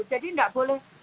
jadi tidak boleh